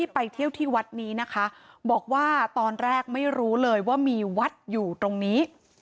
ไปเที่ยวที่วัดนี้นะคะบอกว่าตอนแรกไม่รู้เลยว่ามีวัดอยู่ตรงนี้